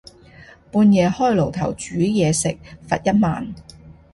半夜開爐頭煮嘢食，罰一萬